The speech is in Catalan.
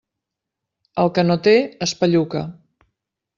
El que no té, espelluca.